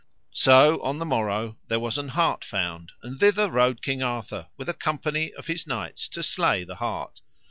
So on the morrow there was an hart found, and thither rode King Arthur with a company of his knights to slay the hart.